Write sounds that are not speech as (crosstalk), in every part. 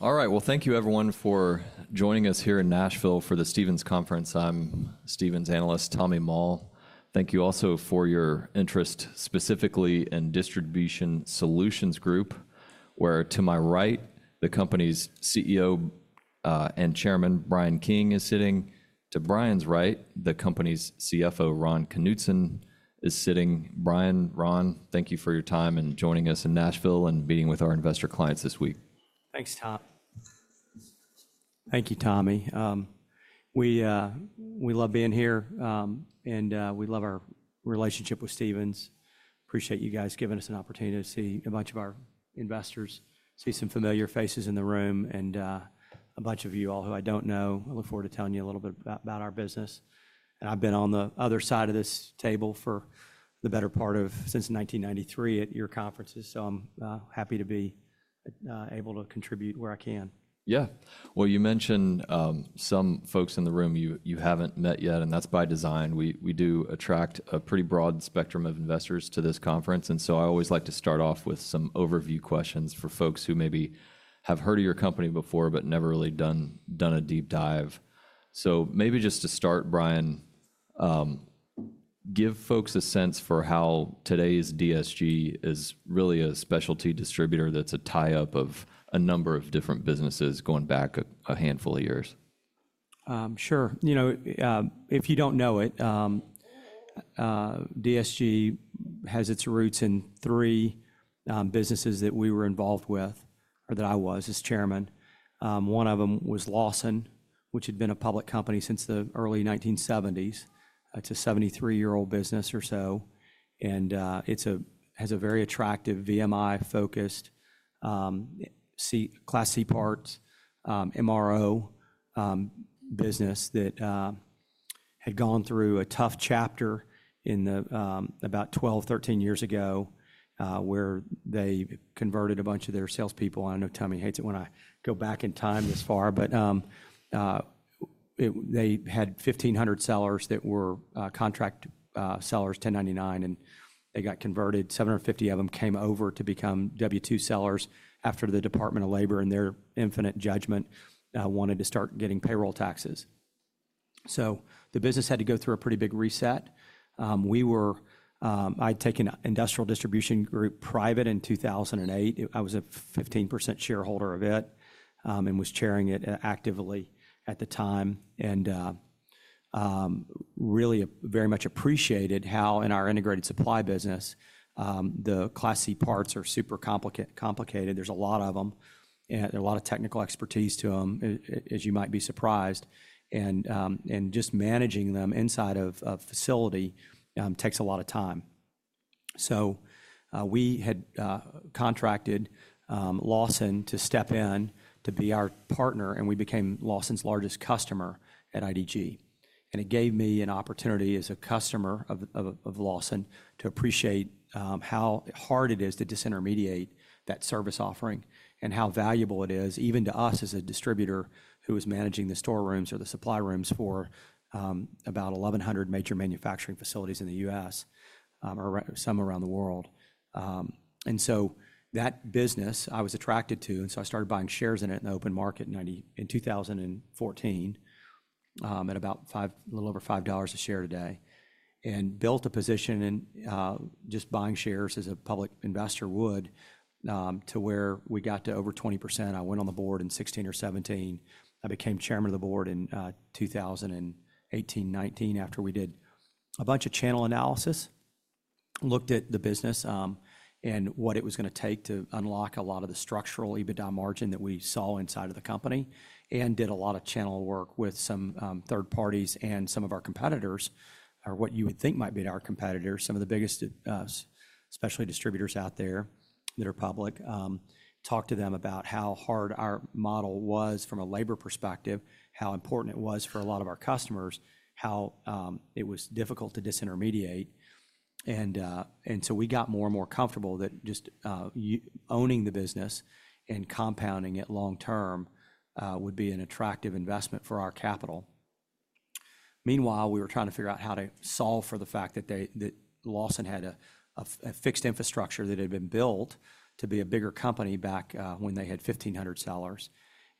All right, well, thank you, everyone, for joining us here in Nashville for the Stephens Conference. I'm Stephens analyst Tommy Moll. Thank you also for your interest specifically in Distribution Solutions Group, where, to my right, the company's CEO and Chairman, Bryan King, is sitting. To Bryan's right, the company's CFO, Ron Knutson, is sitting. Bryan, Ron, thank you for your time and joining us in Nashville and meeting with our investor clients this week. Thanks, Tom. Thank you, Tommy. We love being here, and we love our relationship with Stephens. Appreciate you guys giving us an opportunity to see a bunch of our investors, see some familiar faces in the room, and a bunch of you all who I don't know. I look forward to telling you a little bit about our business, and I've been on the other side of this table for the better part of since 1993 at your conferences, so I'm happy to be able to contribute where I can. Yeah. Well, you mentioned some folks in the room you haven't met yet, and that's by design. We do attract a pretty broad spectrum of investors to this conference, and so I always like to start off with some overview questions for folks who maybe have heard of your company before but never really done a deep dive. So maybe just to start, Bryan, give folks a sense for how today's DSG is really a specialty distributor that's a tie-up of a number of different businesses going back a handful of years. Sure. You know, if you don't know it, DSG has its roots in three businesses that we were involved with, or that I was as chairman. One of them was Lawson, which had been a public company since the early 1970s. It's a 73-year-old business or so, and it has a very attractive VMI-focused Class C Parts MRO business that had gone through a tough chapter about 12, 13 years ago where they converted a bunch of their salespeople. I know Tommy hates it when I go back in time this far, but they had 1,500 sellers that were contract sellers, 1099, and they got converted. 750 of them came over to become W-2 sellers after the Department of Labor, in their infinite judgment, wanted to start getting payroll taxes. So the business had to go through a pretty big reset. I had taken Industrial Distribution Group private in 2008. I was a 15% shareholder of it and was chairing it actively at the time and really very much appreciated how, in our integrated supply business, the Class C parts are super complicated. There's a lot of them, and there's a lot of technical expertise to them, as you might be surprised, and just managing them inside of a facility takes a lot of time. So we had contracted Lawson to step in to be our partner, and we became Lawson's largest customer at IDG. And it gave me an opportunity, as a customer of Lawson, to appreciate how hard it is to disintermediate that service offering and how valuable it is, even to us as a distributor who is managing the store rooms or the supply rooms for about 1,100 major manufacturing facilities in the U.S. or some around the world. And so that business I was attracted to, and so I started buying shares in it in the open market in 2014 at about a little over $5 a share today and built a position in just buying shares, as a public investor would, to where we got to over 20%. I went on the board in 2016 or 2017. I became chairman of the board in 2018, 2019 after we did a bunch of channel analysis, looked at the business and what it was going to take to unlock a lot of the structural EBITDA margin that we saw inside of the company, and did a lot of channel work with some third parties and some of our competitors, or what you would think might be our competitors, some of the biggest specialty distributors out there that are public. Talked to them about how hard our model was from a labor perspective, how important it was for a lot of our customers, how it was difficult to disintermediate, and so we got more and more comfortable that just owning the business and compounding it long-term would be an attractive investment for our capital. Meanwhile, we were trying to figure out how to solve for the fact that Lawson had a fixed infrastructure that had been built to be a bigger company back when they had 1,500 sellers,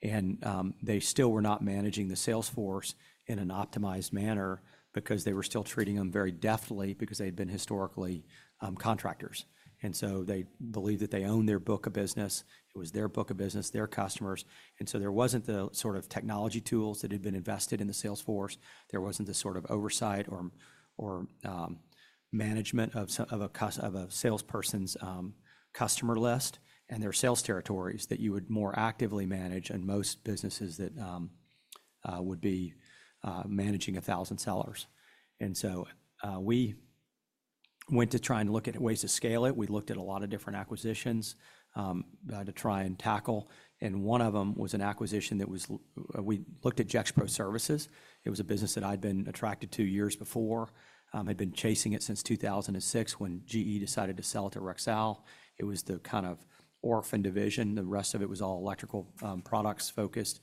and they still were not managing the sales force in an optimized manner because they were still treating them very differently because they had been historically contractors, so they believed that they owned their book of business. It was their book of business, their customers, so there wasn't the sort of technology tools that had been invested in the sales force. There wasn't the sort of oversight or management of a salesperson's customer list and their sales territories that you would more actively manage than most businesses that would be managing 1,000 sellers, and so we went to try and look at ways to scale it. We looked at a lot of different acquisitions to try and tackle, and one of them was an acquisition that we looked at Gexpro Services. It was a business that I'd been attracted to years before. I'd been chasing it since 2006 when GE decided to sell it to Rexel. It was the kind of orphan division. The rest of it was all electrical products focused.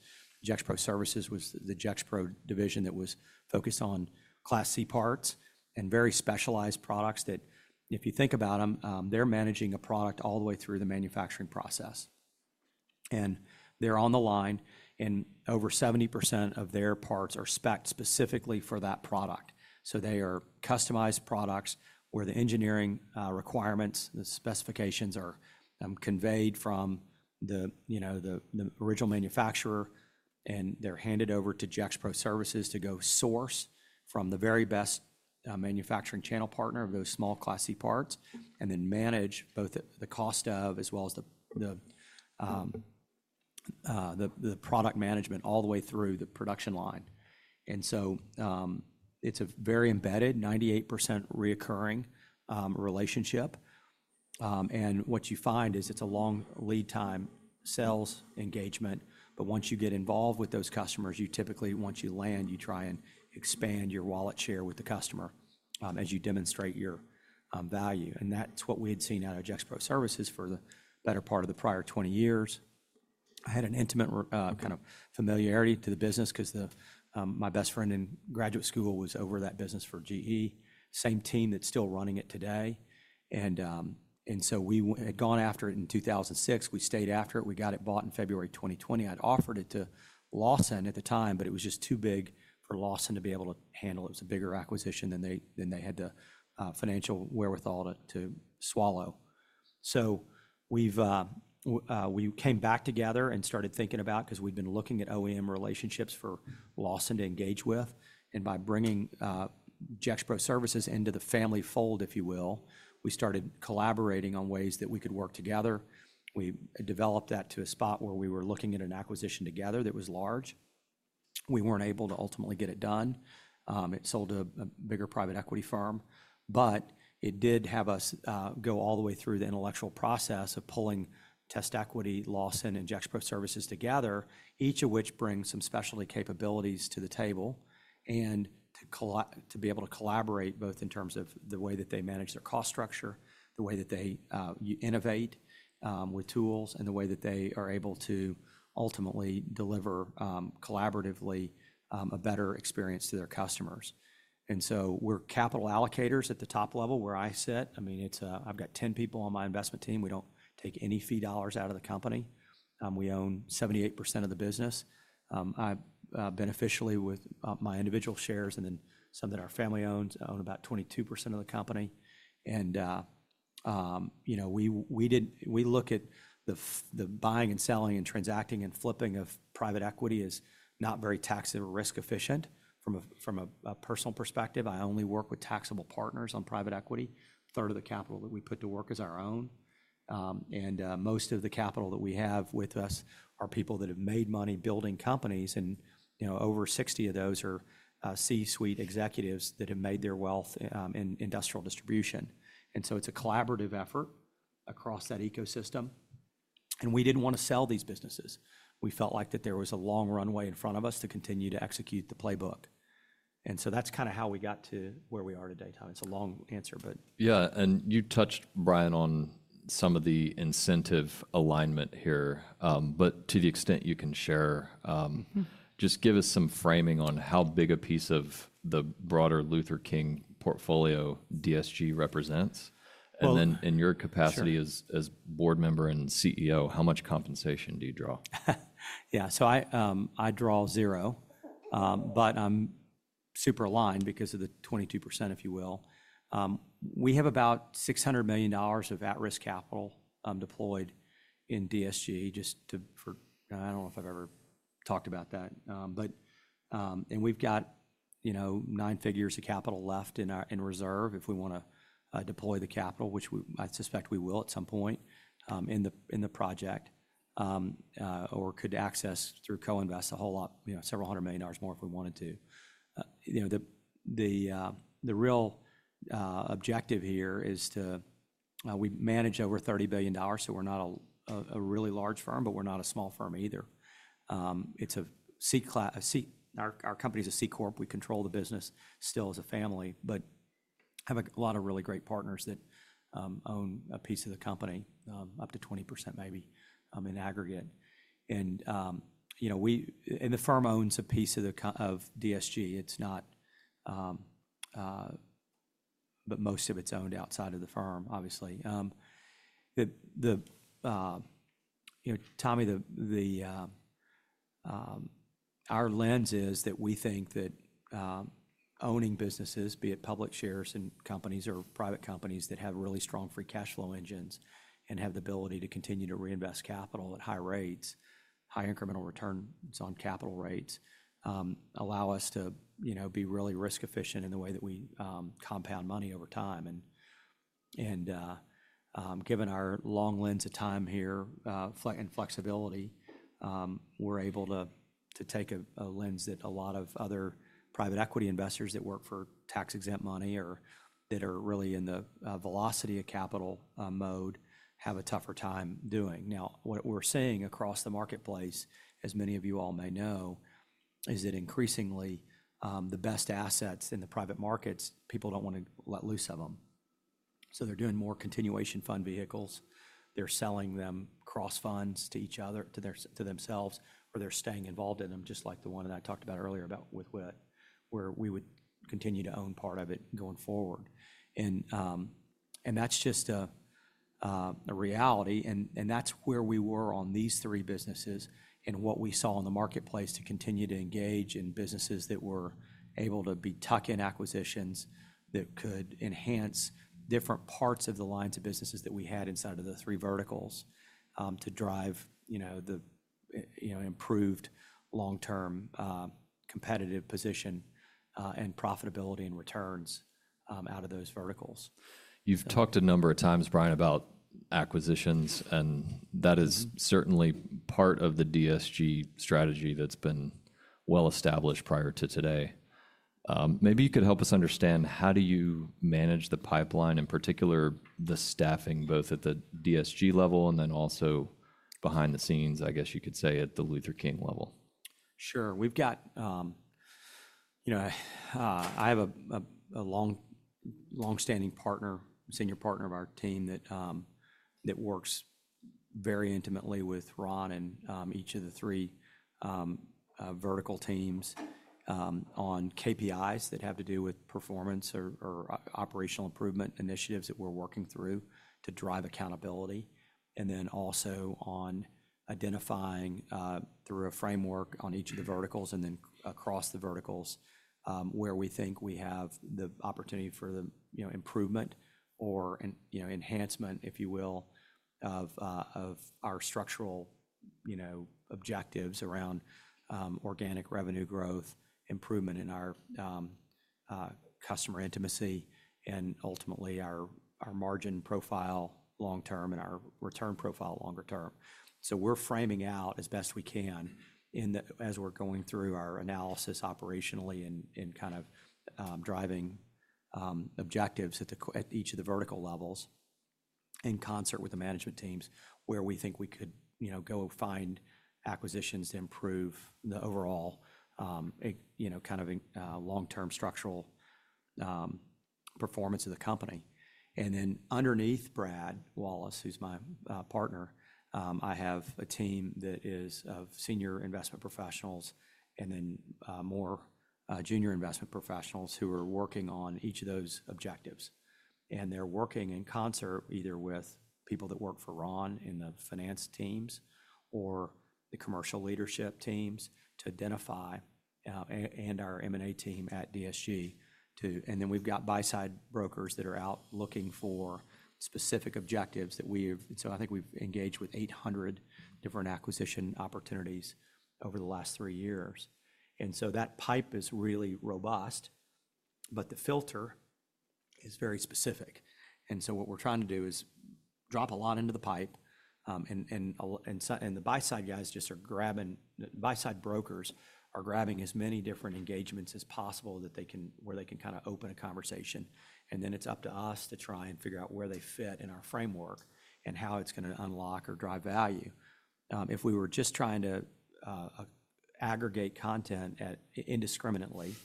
Gexpro Services was the Gexpro division that was focused on Class C parts and very specialized products that, if you think about them, they're managing a product all the way through the manufacturing process. They're on the line, and over 70% of their parts are specced specifically for that product. So they are customized products where the engineering requirements, the specifications are conveyed from the original manufacturer, and they're handed over to Gexpro Services to go source from the very best manufacturing channel partner of those small Class C parts and then manage both the cost of as well as the product management all the way through the production line. And so it's a very embedded, 98% recurring relationship. And what you find is it's a long lead time sales engagement, but once you get involved with those customers, you typically, once you land, you try and expand your wallet share with the customer as you demonstrate your value. And that's what we had seen out of Gexpro Services for the better part of the prior 20 years. I had an intimate kind of familiarity to the business because my best friend in graduate school was over that business for GE, same team that's still running it today, and so we had gone after it in 2006. We stayed after it. We got it bought in February 2020. I'd offered it to Lawson at the time, but it was just too big for Lawson to be able to handle. It was a bigger acquisition than they had the financial wherewithal to swallow, so we came back together and started thinking about, because we'd been looking at OEM relationships for Lawson to engage with, and by bringing Gexpro Services into the family fold, if you will, we started collaborating on ways that we could work together. We developed that to a spot where we were looking at an acquisition together that was large. We weren't able to ultimately get it done. It sold to a bigger private equity firm, but it did have us go all the way through the intellectual process of pulling TestEquity, Lawson, and Gexpro Services together, each of which brings some specialty capabilities to the table and to be able to collaborate both in terms of the way that they manage their cost structure, the way that they innovate with tools, and the way that they are able to ultimately deliver collaboratively a better experience to their customers. And so we're capital allocators at the top level where I sit. I mean, I've got 10 people on my investment team. We don't take any fee dollars out of the company. We own 78% of the business beneficially with my individual shares and then some that our family owns. I own about 22% of the company. And we look at the buying and selling and transacting and flipping of private equity as not very tax and risk efficient from a personal perspective. I only work with taxable partners on private equity. A third of the capital that we put to work is our own. And most of the capital that we have with us are people that have made money building companies, and over 60 of those are C-suite executives that have made their wealth in industrial distribution. And so it's a collaborative effort across that ecosystem, and we didn't want to sell these businesses. We felt like that there was a long runway in front of us to continue to execute the playbook. And so that's kind of how we got to where we are today, Tom. It's a long answer, but. Yeah. And you touched, Bryan, on some of the incentive alignment here, but to the extent you can share, just give us some framing on how big a piece of the broader Luther King portfolio DSG represents. And then in your capacity as board member and CEO, how much compensation do you draw? Yeah. So I draw zero, but I'm super aligned because of the 22%, if you will. We have about $600 million of at-risk capital deployed in DSG just for, I don't know if I've ever talked about that, but we've got nine figures of capital left in reserve if we want to deploy the capital, which I suspect we will at some point in the project or could access through Coinvest a whole lot, several hundred million dollars more if we wanted to. The real objective here is to, we manage over $30 billion, so we're not a really large firm, but we're not a small firm either. (inaudible) Our company is a C Corp. We control the business still as a family, but have a lot of really great partners that own a piece of the company, up to 20% maybe in aggregate. And the firm owns a piece of DSG, but most of it's owned outside of the firm, obviously. Tommy, our lens is that we think that owning businesses, be it public shares in companies or private companies that have really strong free cash flow engines and have the ability to continue to reinvest capital at high rates, high incremental returns on capital rates, allow us to be really risk efficient in the way that we compound money over time. And given our long lens of time here and flexibility, we're able to take a lens that a lot of other private equity investors that work for tax-exempt money or that are really in the velocity of capital mode have a tougher time doing. Now, what we're seeing across the marketplace, as many of you all may know, is that increasingly the best assets in the private markets, people don't want to let loose of them. So they're doing more continuation fund vehicles. They're selling them cross funds to each other, to themselves, or they're staying involved in them, just like the one that I talked about earlier about with Witt, where we would continue to own part of it going forward. And that's just a reality, and that's where we were on these three businesses and what we saw in the marketplace to continue to engage in businesses that were able to be tuck-in acquisitions that could enhance different parts of the lines of businesses that we had inside of the three verticals to drive the improved long-term competitive position and profitability and returns out of those verticals. You've talked a number of times, Bryan, about acquisitions, and that is certainly part of the DSG strategy that's been well established prior to today. Maybe you could help us understand how do you manage the pipeline, in particular the staffing, both at the DSG level and then also behind the scenes, I guess you could say, at the Luther King level? Sure. I have a long-standing partner, senior partner of our team that works very intimately with Ron and each of the three vertical teams on KPIs that have to do with performance or operational improvement initiatives that we're working through to drive accountability, and then also on identifying through a framework on each of the verticals and then across the verticals where we think we have the opportunity for the improvement or enhancement, if you will, of our structural objectives around organic revenue growth, improvement in our customer intimacy, and ultimately our margin profile long-term and our return profile longer term. We're framing out as best we can as we're going through our analysis operationally and kind of driving objectives at each of the vertical levels in concert with the management teams where we think we could go find acquisitions to improve the overall kind of long-term structural performance of the company. Underneath Brad Wallace, who's my partner, I have a team that is of senior investment professionals and then more junior investment professionals who are working on each of those objectives. They're working in concert either with people that work for Ron in the finance teams or the commercial leadership teams to identify and our M&A team at DSG. We've got buy-side brokers that are out looking for specific objectives that we have. I think we've engaged with 800 different acquisition opportunities over the last three years. And so that pipe is really robust, but the filter is very specific. And so what we're trying to do is drop a lot into the pipe, and the buy-side guys just are grabbing, the buy-side brokers are grabbing as many different engagements as possible where they can kind of open a conversation. And then it's up to us to try and figure out where they fit in our framework and how it's going to unlock or drive value. If we were just trying to aggregate content indiscriminately,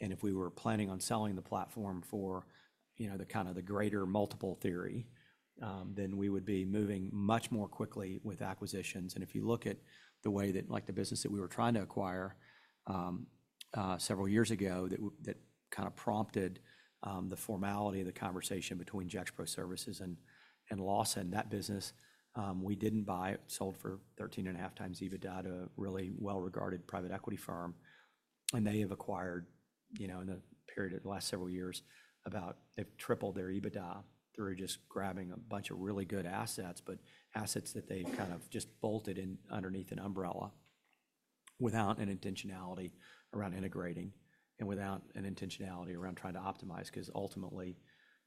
and if we were planning on selling the platform for the kind of the greater multiple theory, then we would be moving much more quickly with acquisitions. If you look at the way that the business that we were trying to acquire several years ago that kind of prompted the formality of the conversation between Gexpro Services and Lawson, that business, we didn't buy it. It sold for 13.5x EBITDA to a really well-regarded private equity firm. They have acquired in the period of the last several years, they've tripled their EBITDA through just grabbing a bunch of really good assets, but assets that they've kind of just bolted underneath an umbrella without an intentionality around integrating and without an intentionality around trying to optimize because ultimately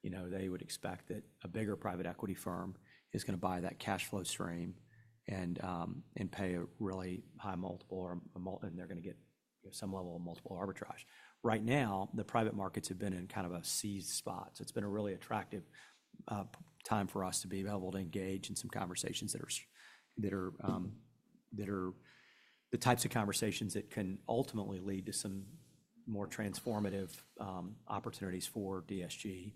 they would expect that a bigger private equity firm is going to buy that cash flow stream and pay a really high multiple, and they're going to get some level of multiple arbitrage. Right now, the private markets have been in kind of a tough spot. It's been a really attractive time for us to be able to engage in some conversations that are the types of conversations that can ultimately lead to some more transformative opportunities for DSG.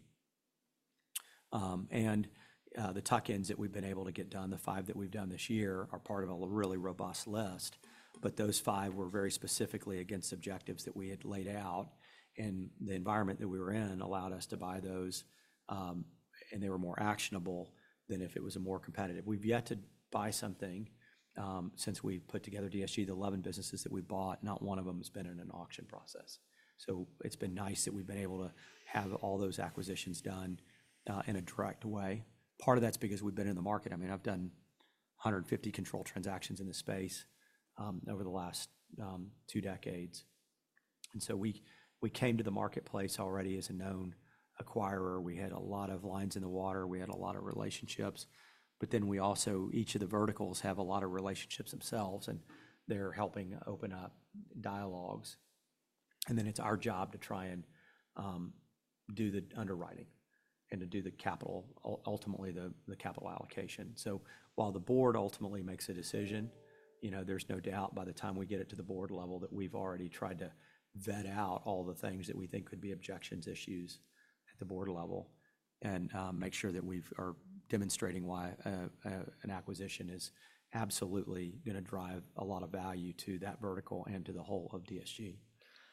The tuck-ins that we've been able to get done, the five that we've done this year, are part of a really robust list, but those five were very specifically against objectives that we had laid out, and the environment that we were in allowed us to buy those, and they were more actionable than if it was a more competitive. We've yet to buy something since we've put together DSG, the 11 businesses that we've bought, not one of them has been in an auction process. So it's been nice that we've been able to have all those acquisitions done in a direct way. Part of that's because we've been in the market. I mean, I've done 150 controlled transactions in the space over the last two decades. And so we came to the marketplace already as a known acquirer. We had a lot of lines in the water. We had a lot of relationships, but then we also, each of the verticals have a lot of relationships themselves, and they're helping open up dialogues. And then it's our job to try and do the underwriting and to do the capital, ultimately the capital allocation. So while the board ultimately makes a decision, there's no doubt by the time we get it to the board level that we've already tried to vet out all the things that we think could be objections, issues at the board level and make sure that we are demonstrating why an acquisition is absolutely going to drive a lot of value to that vertical and to the whole of DSG.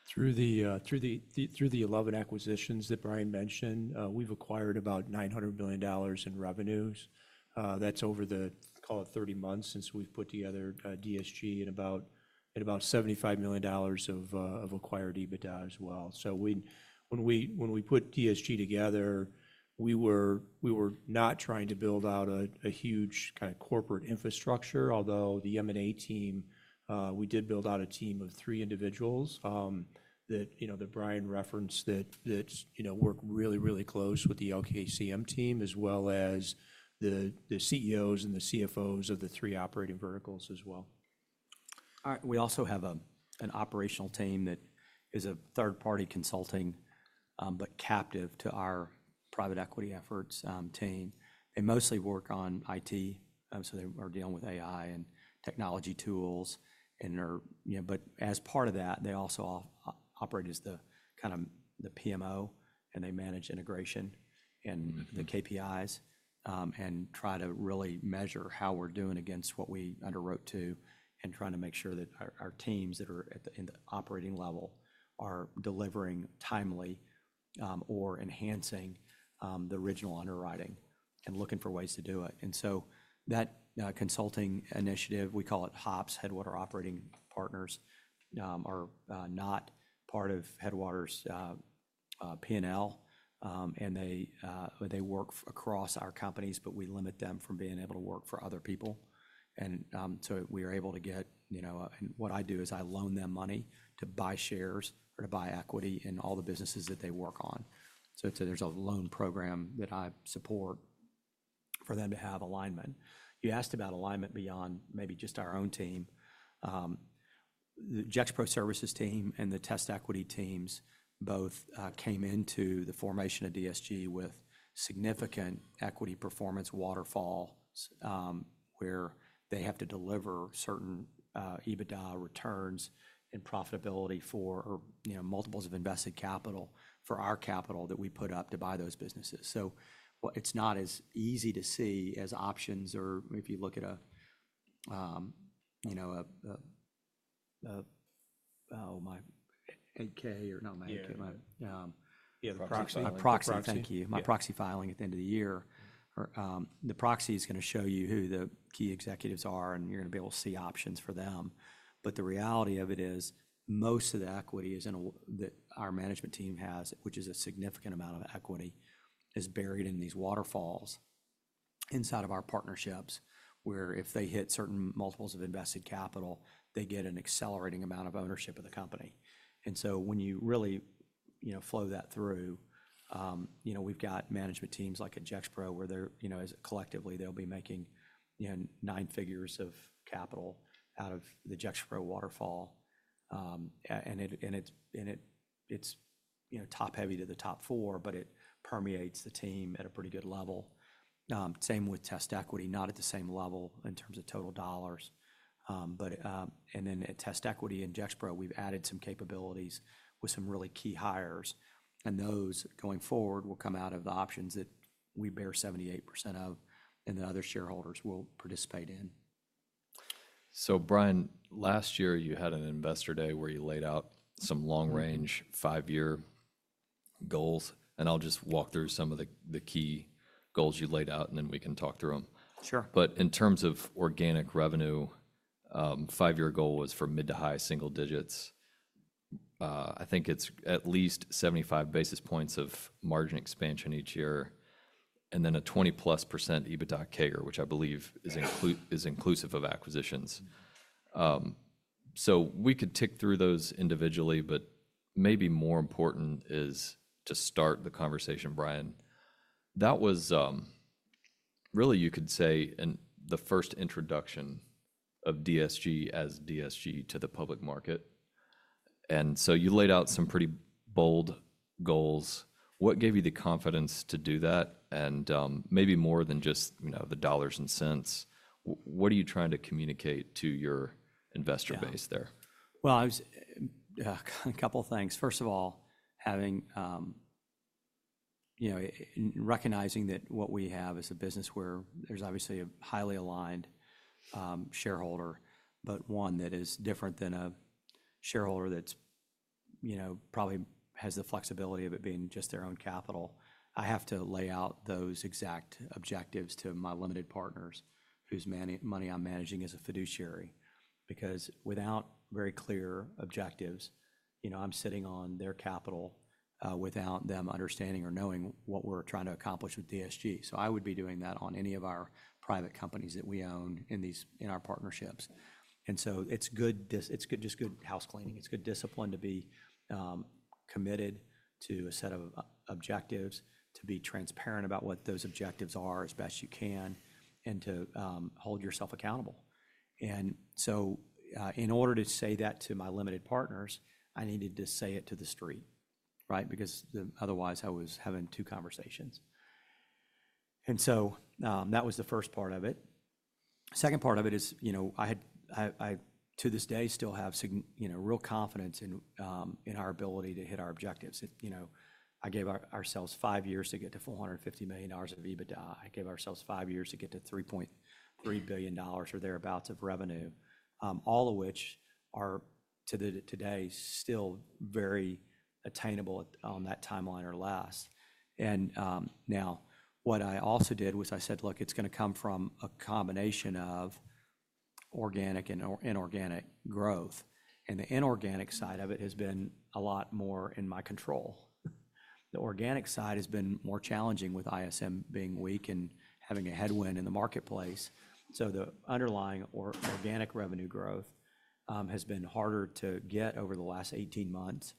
Through the 11 acquisitions that Bryan mentioned, we've acquired about $900 million in revenues. That's over the, call it, 30 months since we've put together DSG and about $75 million of acquired EBITDA as well, so when we put DSG together, we were not trying to build out a huge kind of corporate infrastructure, although the M&A team, we did build out a team of three individuals that Bryan referenced that work really, really close with the LKCM team as well as the CEOs and the CFOs of the three operating verticals as well. We also have an operational team that is a third-party consulting but captive to our private equity efforts team. They mostly work on IT, so they are dealing with AI and technology tools. But as part of that, they also operate as the kind of PMO, and they manage integration and the KPIs and try to really measure how we're doing against what we underwrote to and trying to make sure that our teams that are at the operating level are delivering timely or enhancing the original underwriting and looking for ways to do it. And so that consulting initiative, we call it HOPS, Headwater Operating Partners, are not part of Headwater's P&L, and they work across our companies, but we limit them from being able to work for other people. And so we are able to get, and what I do is I loan them money to buy shares or to buy equity in all the businesses that they work on. So there's a loan program that I support for them to have alignment. You asked about alignment beyond maybe just our own team. The Gexpro Services team and the TestEquity teams both came into the formation of DSG with significant equity performance waterfalls where they have to deliver certain EBITDA returns and profitability for multiples of invested capital for our capital that we put up to buy those businesses. So it's not as easy to see as options or if you look at a (crosstalk) 10-K or not a 10-K. (inaudible) Yeah, the proxy. Proxy, thank you. My proxy filing at the end of the year. The proxy is going to show you who the key executives are, and you're going to be able to see options for them, but the reality of it is most of the equity that our management team has, which is a significant amount of equity, is buried in these waterfalls inside of our partnerships where if they hit certain multiples of invested capital, they get an accelerating amount of ownership of the company, and so when you really flow that through, we've got management teams like at Gexpro where collectively they'll be making nine figures of capital out of the Gexpro waterfall, and it's top heavy to the top four, but it permeates the team at a pretty good level. Same with TestEquity, not at the same level in terms of total dollars. Then at TestEquity and Gexpro, we've added some capabilities with some really key hires, and those going forward will come out of the options that we bear 78% of, and the other shareholders will participate in. So Bryan, last year you had an investor day where you laid out some long-range five-year goals, and I'll just walk through some of the key goals you laid out, and then we can talk through them. Sure. But in terms of organic revenue, five-year goal was for mid- to high-single digits. I think it's at least 75 basis points of margin expansion each year and then a 20%+ EBITDA CAGR, which I believe is inclusive of acquisitions. So we could tick through those individually, but maybe more important is to start the conversation, Bryan. That was really, you could say, the first introduction of DSG as DSG to the public market. And so you laid out some pretty bold goals. What gave you the confidence to do that? And maybe more than just the dollars and cents, what are you trying to communicate to your investor base there? A couple of things. First of all, recognizing that what we have is a business where there's obviously a highly aligned shareholder, but one that is different than a shareholder that probably has the flexibility of it being just their own capital. I have to lay out those exact objectives to my limited partners whose money I'm managing as a fiduciary because without very clear objectives, I'm sitting on their capital without them understanding or knowing what we're trying to accomplish with DSG. So I would be doing that on any of our private companies that we own in our partnerships. And so it's just good house cleaning. It's good discipline to be committed to a set of objectives, to be transparent about what those objectives are as best you can, and to hold yourself accountable. And so in order to say that to my limited partners, I needed to say it to the street, right? Because otherwise I was having two conversations. And so that was the first part of it. The second part of it is I had, to this day, still have real confidence in our ability to hit our objectives. I gave ourselves five years to get to $450 million of EBITDA. I gave ourselves five years to get to $3.3 billion or thereabouts of revenue, all of which are, to this day, still very attainable on that timeline or less. And now what I also did was I said, "Look, it's going to come from a combination of organic and inorganic growth." And the inorganic side of it has been a lot more in my control. The organic side has been more challenging with ISM being weak and having a headwind in the marketplace, so the underlying organic revenue growth has been harder to get over the last 18 months,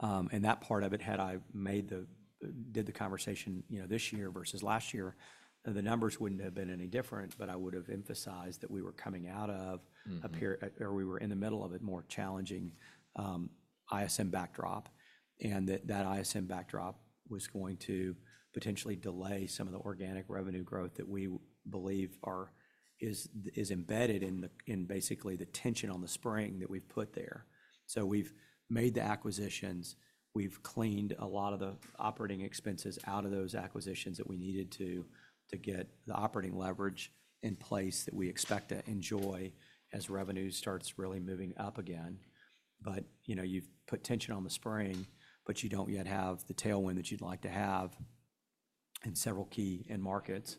and that part of it, had I made the conversation this year versus last year, the numbers wouldn't have been any different, but I would have emphasized that we were coming out of a period or we were in the middle of a more challenging ISM backdrop and that that ISM backdrop was going to potentially delay some of the organic revenue growth that we believe is embedded in basically the tension on the spring that we've put there, so we've made the acquisitions. We've cleaned a lot of the operating expenses out of those acquisitions that we needed to get the operating leverage in place that we expect to enjoy as revenue starts really moving up again. But you've put tension on the spring, but you don't yet have the tailwind that you'd like to have in several key markets.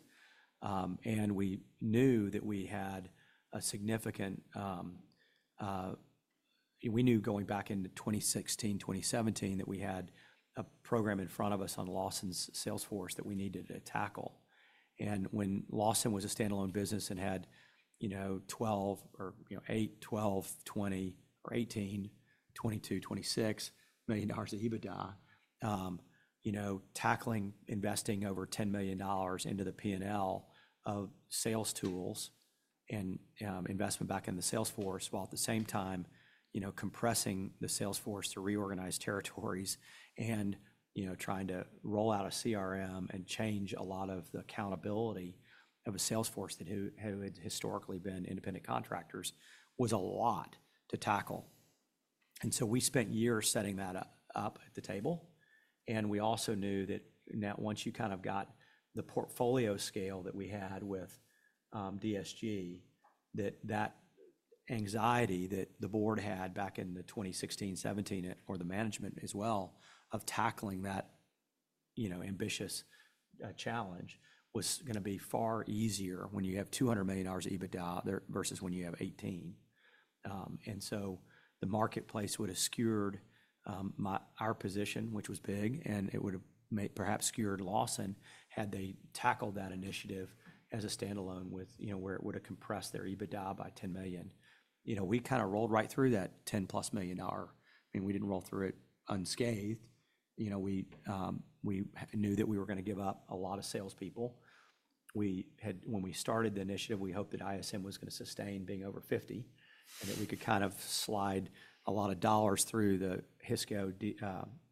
And we knew that we had a significant going back into 2016, 2017, that we had a program in front of us on Lawson's Salesforce that we needed to tackle. When Lawson was a standalone business and had $12 or $8, $12, $20, or $18, $22, $26 million of EBITDA, tackling investing over $10 million into the P&L of sales tools and investment back in the sales force while at the same time compressing the sales force to reorganize territories and trying to roll out a CRM and change a lot of the accountability of a sales force that had historically been independent contractors was a lot to tackle. And so we spent years setting that up at the table. And we also knew that now once you kind of got the portfolio scale that we had with DSG, that that anxiety that the board had back in the 2016, 2017, or the management as well of tackling that ambitious challenge was going to be far easier when you have $200 million EBITDA versus when you have 18. And so the marketplace would have skewed our position, which was big, and it would have perhaps skewed Lawson had they tackled that initiative as a standalone where it would have compressed their EBITDA by $10 million. We kind of rolled right through that $10-plus million dollar. I mean, we didn't roll through it unscathed. We knew that we were going to give up a lot of salespeople. When we started the initiative, we hoped that ISM was going to sustain being over 50 and that we could kind of slide a lot of dollars through the Hisco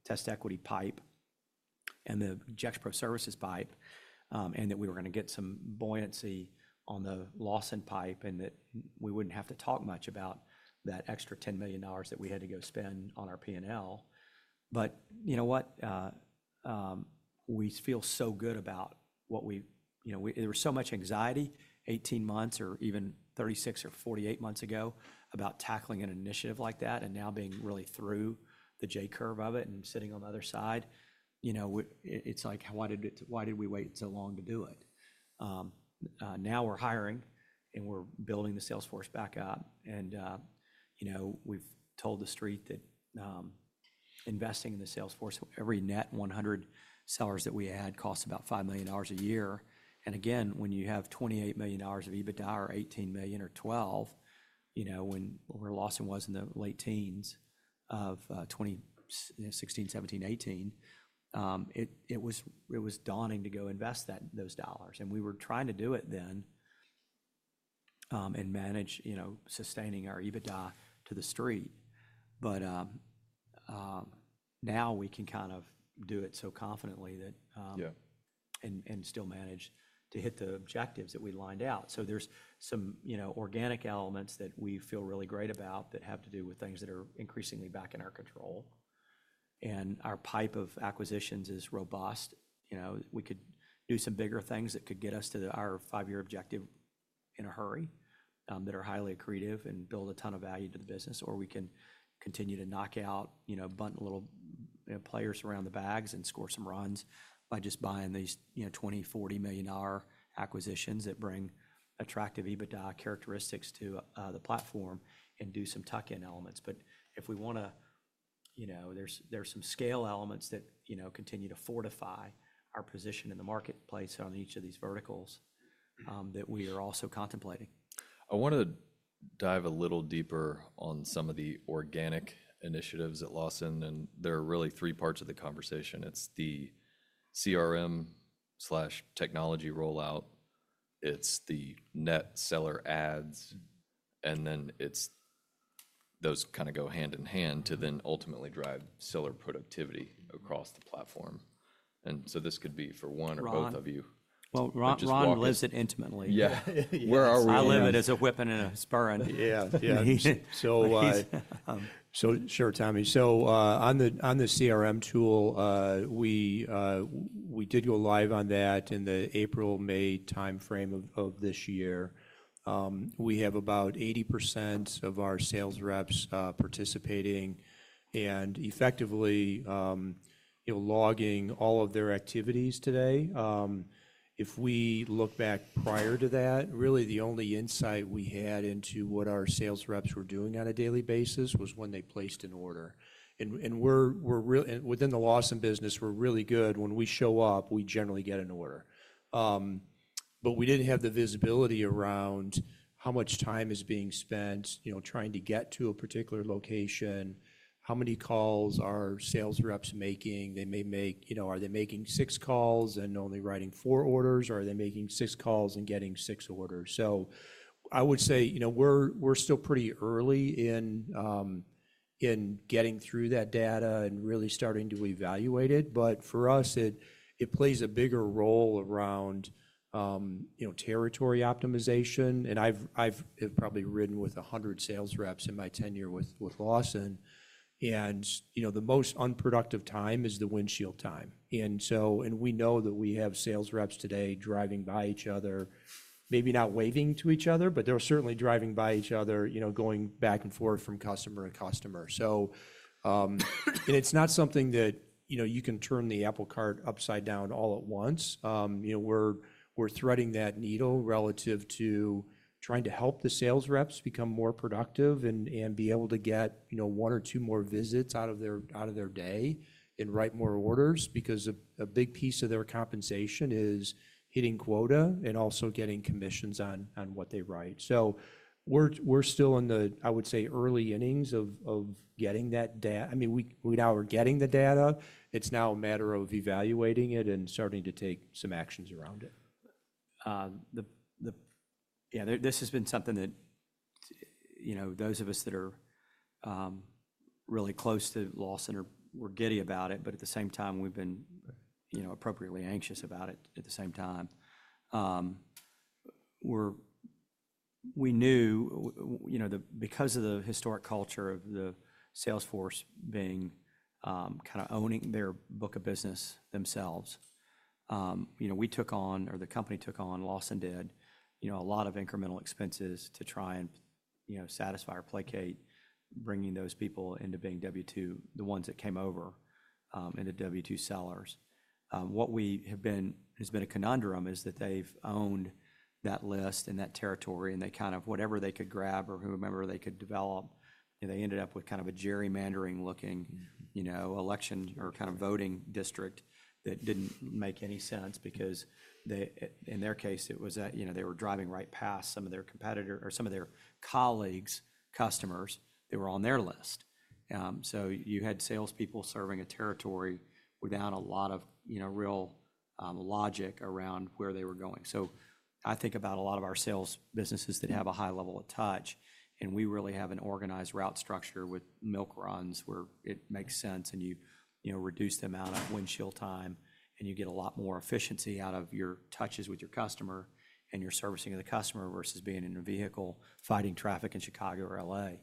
TestEquity pipe and the Gexpro Services pipe and that we were going to get some buoyancy on the Lawson pipe and that we wouldn't have to talk much about that extra $10 million that we had to go spend on our P&L. But you know what? We feel so good about what we did. There was so much anxiety 18 months or even 36 or 48 months ago about tackling an initiative like that and now being really through the J Curve of it and sitting on the other side. It's like, why did we wait so long to do it? Now we're hiring and we're building the sales force back up. And we've told the street that investing in the sales force, every net 100 sellers that we had cost about $5 million a year. And again, when you have $28 million of EBITDA or $18 million or $12 million, when Lawson was in the late teens of 16, 17, 18, it was daunting to go invest those dollars. And we were trying to do it then and manage while sustaining our EBITDA to the street. But now we can kind of do it so confidently that and still manage to hit the objectives that we laid out. So there's some organic elements that we feel really great about that have to do with things that are increasingly back in our control. And our pipe of acquisitions is robust. We could do some bigger things that could get us to our five-year objective in a hurry that are highly accretive and build a ton of value to the business. Or we can continue to knock out, bunt little players around the bags and score some runs by just buying these $20 million-$40 million acquisitions that bring attractive EBITDA characteristics to the platform and do some tuck-in elements. But if we want to, there's some scale elements that continue to fortify our position in the marketplace on each of these verticals that we are also contemplating. I want to dive a little deeper on some of the organic initiatives at Lawson. And there are really three parts of the conversation. It's the CRM/technology rollout. It's the net seller adds. And then those kind of go hand in hand to then ultimately drive seller productivity across the platform. And so this could be for one or both of you. Well, Ron lives it intimately. Yeah. I live it as a whip and a spurn. Yeah. Yeah. Sure, Tommy. So on the CRM tool, we did go live on that in the April, May timeframe of this year. We have about 80% of our sales reps participating and effectively logging all of their activities today. If we look back prior to that, really the only insight we had into what our sales reps were doing on a daily basis was when they placed an order. And within the Lawson business, we're really good. When we show up, we generally get an order. But we didn't have the visibility around how much time is being spent trying to get to a particular location, how many calls are sales reps making. They may make, are they making six calls and only writing four orders, or are they making six calls and getting six orders? So I would say we're still pretty early in getting through that data and really starting to evaluate it. But for us, it plays a bigger role around territory optimization. And I've probably ridden with 100 sales reps in my tenure with Lawson. And the most unproductive time is the windshield time. And we know that we have sales reps today driving by each other, maybe not waving to each other, but they're certainly driving by each other going back and forth from customer to customer. And it's not something that you can turn the apple cart upside down all at once. We're threading that needle relative to trying to help the sales reps become more productive and be able to get one or two more visits out of their day and write more orders because a big piece of their compensation is hitting quota and also getting commissions on what they write. So we're still in the, I would say, early innings of getting that data. I mean, we now are getting the data. It's now a matter of evaluating it and starting to take some actions around it. Yeah, this has been something that those of us that are really close to Lawson are giddy about it, but at the same time, we've been appropriately anxious about it at the same time. We knew because of the historic culture of the sales force being kind of owning their book of business themselves, we took on, or the company took on, Lawson did, a lot of incremental expenses to try and satisfy or placate bringing those people into being W-2, the ones that came over into W-2 sellers. What has been a conundrum is that they've owned that list and that territory, and they kind of, whatever they could grab or whomever they could develop, they ended up with kind of a gerrymandering-looking election or kind of voting district that didn't make any sense because in their case, it was that they were driving right past some of their competitors' or some of their colleagues' customers that were on their list. So you had salespeople serving a territory without a lot of real logic around where they were going. So I think about a lot of our sales businesses that have a high level of touch, and we really have an organized route structure with milk runs where it makes sense and you reduce the amount of windshield time, and you get a lot more efficiency out of your touches with your customer and your servicing of the customer versus being in a vehicle fighting traffic in Chicago or L.A.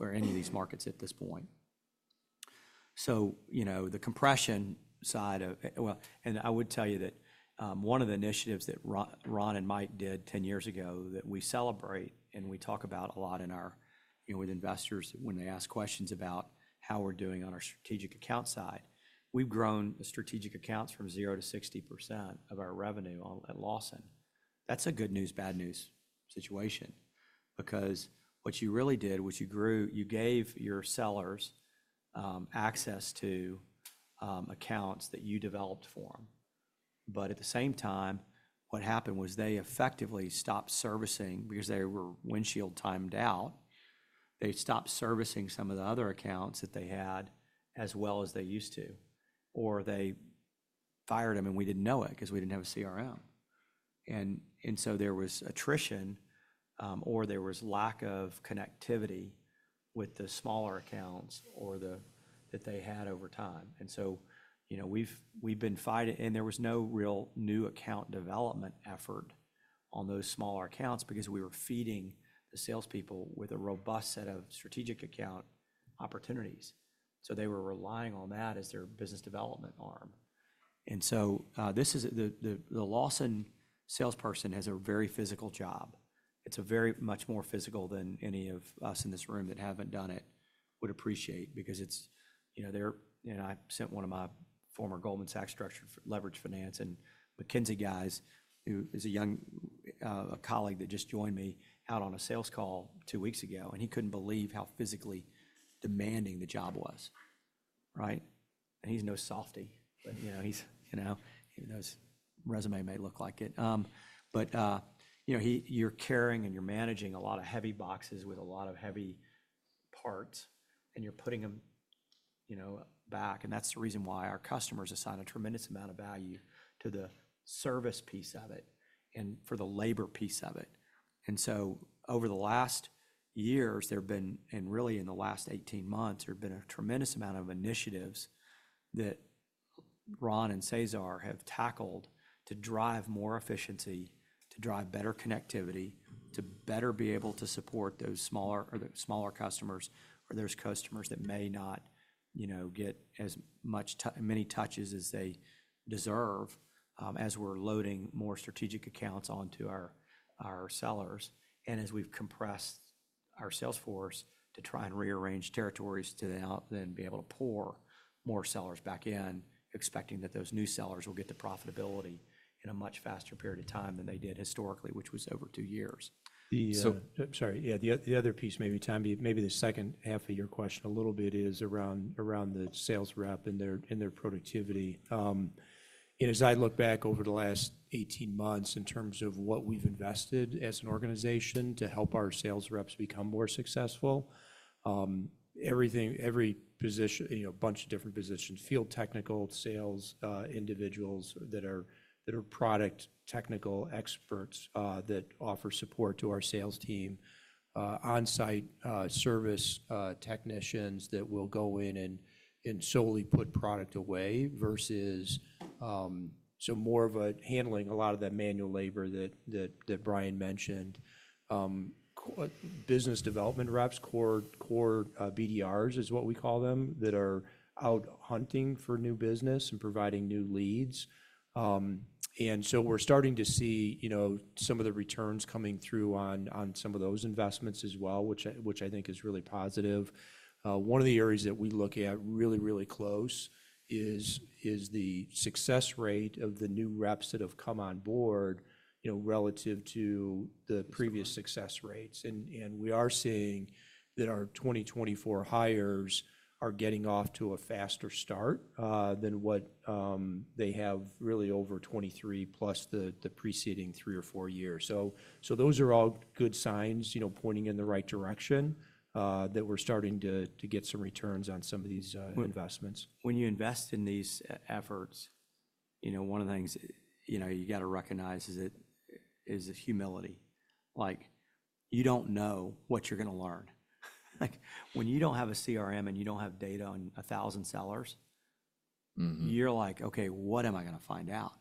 or any of these markets at this point. So the compression side of, and I would tell you that one of the initiatives that Ron and Mike did 10 years ago that we celebrate and we talk about a lot with investors when they ask questions about how we're doing on our strategic account side, we've grown the strategic accounts from 0% to 60% of our revenue at Lawson. That's a good news, bad news situation because what you really did was you gave your sellers access to accounts that you developed for them. But at the same time, what happened was they effectively stopped servicing because they were windshield timed out. They stopped servicing some of the other accounts that they had as well as they used to, or they fired them, and we didn't know it because we didn't have a CRM, and so there was attrition or there was lack of connectivity with the smaller accounts that they had over time, and so we've been fighting, and there was no real new account development effort on those smaller accounts because we were feeding the salespeople with a robust set of strategic account opportunities, so they were relying on that as their business development arm, and so the Lawson salesperson has a very physical job. It's a very much more physical than any of us in this room that haven't done it would appreciate because it's, and I sent one of my former Goldman Sachs structured leverage finance and McKinsey guys who is a young colleague that just joined me out on a sales call two weeks ago, and he couldn't believe how physically demanding the job was. Right? And he's no softy, but his résumé may look like it. But you're carrying and you're managing a lot of heavy boxes with a lot of heavy parts, and you're putting them back. And that's the reason why our customers assign a tremendous amount of value to the service piece of it and for the labor piece of it. Over the last years, there have been, and really in the last 18 months, there have been a tremendous amount of initiatives that Ron and Cesar have tackled to drive more efficiency, to drive better connectivity, to better be able to support those smaller customers or those customers that may not get as many touches as they deserve as we're loading more strategic accounts onto our sellers. As we've compressed our sales force to try and rearrange territories to then be able to pour more sellers back in, expecting that those new sellers will get the profitability in a much faster period of time than they did historically, which was over two years. Sorry. Yeah, the other piece, maybe, Tommy, maybe the second half of your question a little bit is around the sales rep and their productivity. And as I look back over the last 18 months in terms of what we've invested as an organization to help our sales reps become more successful, every position, a bunch of different positions, field technical, sales individuals that are product technical experts that offer support to our sales team, on-site service technicians that will go in and solely put product away versus so more of a handling a lot of that manual labor that Bryan mentioned, business development reps, core BDRs is what we call them, that are out hunting for new business and providing new leads. And so we're starting to see some of the returns coming through on some of those investments as well, which I think is really positive. One of the areas that we look at really, really close is the success rate of the new reps that have come on board relative to the previous success rates, and we are seeing that our 2024 hires are getting off to a faster start than what they have really over 2023 plus the preceding three or four years, so those are all good signs pointing in the right direction that we're starting to get some returns on some of these investments. When you invest in these efforts, one of the things you got to recognize is humility. You don't know what you're going to learn. When you don't have a CRM and you don't have data on 1,000 sellers, you're like, "Okay, what am I going to find out?"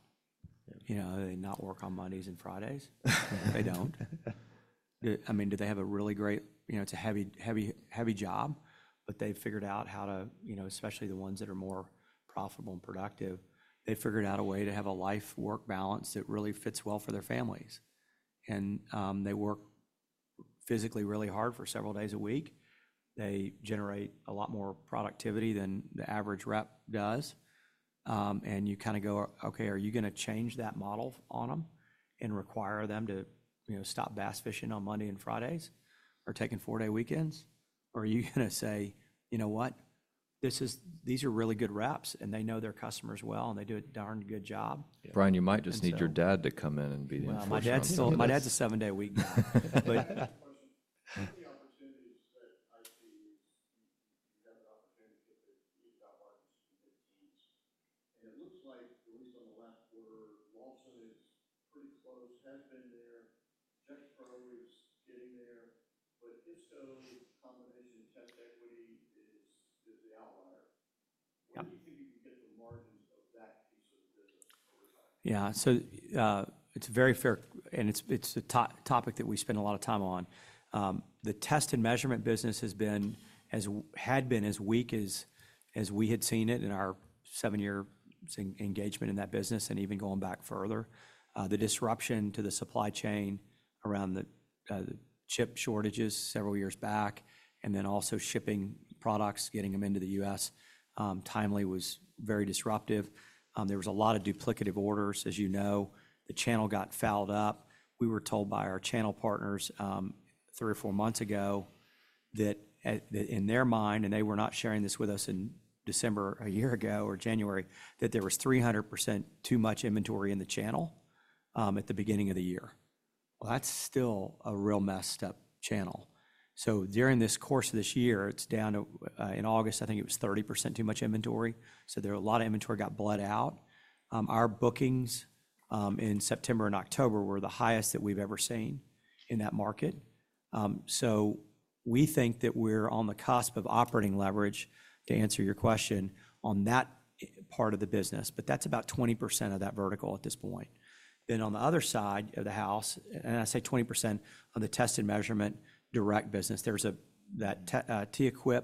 They not work on Mondays and Fridays? They don't. I mean, do they have a really great it's a heavy job, but they've figured out how to, especially the ones that are more profitable and productive, they figured out a way to have a life-work balance that really fits well for their families. And they work physically really hard for several days a week. They generate a lot more productivity than the average rep does. You kind of go, "Okay, are you going to change that model on them and require them to stop bass fishing on Monday and Fridays Yeah. So it's very fair, and it's a topic that we spend a lot of time on. The test and measurement business has been as weak as we had seen it in our seven-year engagement in that business and even going back further. The disruption to the supply chain around the chip shortages several years back, and then also shipping products, getting them into the U.S. timely was very disruptive. There was a lot of duplicative orders, as you know. The channel got fouled up. We were told by our channel partners three or four months ago that in their mind, and they were not sharing this with us in December a year ago or January, that there was 300% too much inventory in the channel at the beginning of the year. Well, that's still a real messed up channel. So during the course of this year, it's down to, in August, I think it was 30% too much inventory. So there were a lot of inventory got bled out. Our bookings in September and October were the highest that we've ever seen in that market. So we think that we're on the cusp of operating leverage, to answer your question, on that part of the business, but that's about 20% of that vertical at this point. Then on the other side of the house, and I say 20% of the test and measurement direct business, there's that TestEquity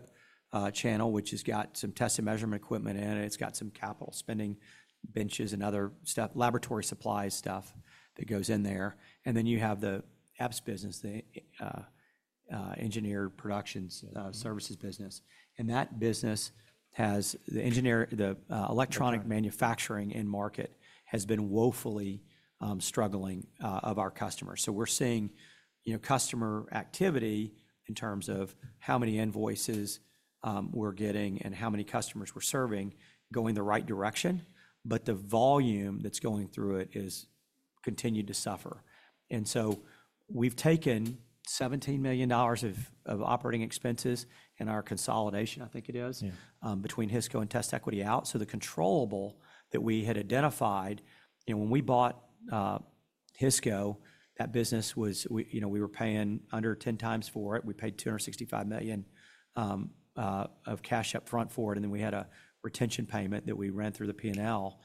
channel, which has got some test and measurement equipment in it. It's got some capital spending benches and other stuff, laboratory supplies stuff that goes in there. And then you have the EPS business, the electronic production services business. And that business, the electronic manufacturing end market, has been woefully struggling, and our customers. So we're seeing customer activity in terms of how many invoices we're getting and how many customers we're serving going the right direction, but the volume that's going through it has continued to suffer. And so we've taken $17 million of operating expenses in our consolidation, I think it is, between Hisco and TestEquity out. So the controllables that we had identified, when we bought Hisco, that business was we were paying under 10x for it. We paid $265 million of cash upfront for it. And then we had a retention payment that we ran through the P&L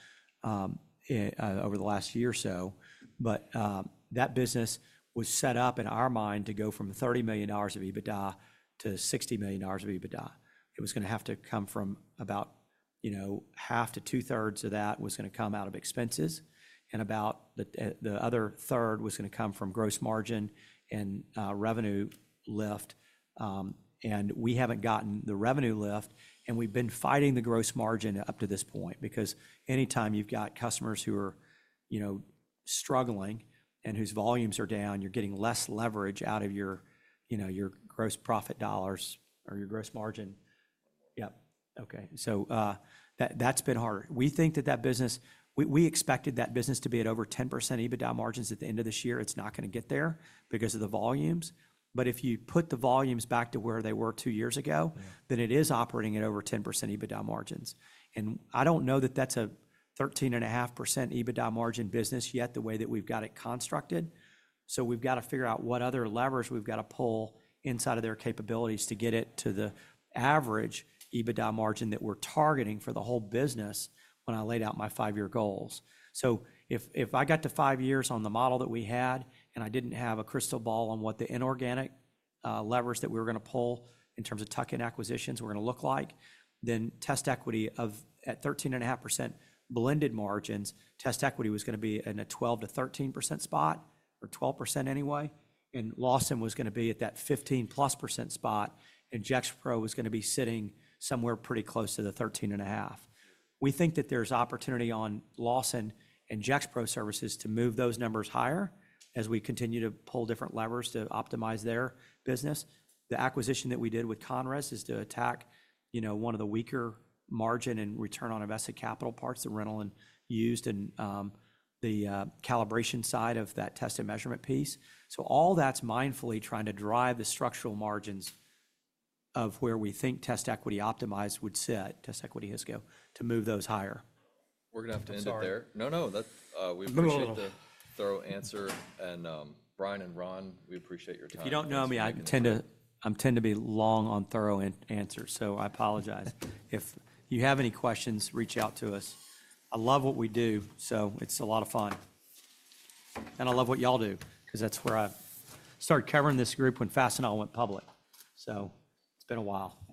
over the last year or so. But that business was set up in our mind to go from $30 million of EBITDA to $60 million of EBITDA. It was going to have to come from about half to two-thirds of that was going to come out of expenses, and about the other third was going to come from gross margin and revenue lift, and we haven't gotten the revenue lift, and we've been fighting the gross margin up to this point because anytime you've got customers who are struggling and whose volumes are down, you're getting less leverage out of your gross profit dollars or your gross margin. Yeah. Okay. So that's been hard. We think that that business, we expected that business to be at over 10% EBITDA margins at the end of this year. It's not going to get there because of the volumes, but if you put the volumes back to where they were two years ago, then it is operating at over 10% EBITDA margins. And I don't know that that's a 13.5% EBITDA margin business yet, the way that we've got it constructed. So we've got to figure out what other levers we've got to pull inside of their capabilities to get it to the average EBITDA margin that we're targeting for the whole business when I laid out my 5-year goals. So if I got to 5 years on the model that we had and I didn't have a crystal ball on what the inorganic levers that we were going to pull in terms of tuck-in acquisitions were going to look like, then TestEquity at 13.5% blended margins, TestEquity was going to be in a 12%-13% spot or 12% anyway. And Lawson was going to be at that 15%+ spot, and Gexpro was going to be sitting somewhere pretty close to the 13.5%. We think that there's opportunity on Lawson and Gexpro Services to move those numbers higher as we continue to pull different levers to optimize their business. The acquisition that we did with ConRes is to attack one of the weaker margin and return on invested capital parts that TestEquity used in the calibration side of that test and measurement piece, so all that's mindfully trying to drive the structural margins of where we think TestEquity optimized would sit, TestEquity, Hisco, to move those higher. We're going to have to end it there. No, no. We appreciate the thorough answer. And Bryan and Ron, we appreciate your time. If you don't know me, I tend to be long on thorough answers, so I apologize. If you have any questions, reach out to us. I love what we do, so it's a lot of fun, and I love what y'all do because that's where I started covering this group when Fastenal went public, so it's been a while.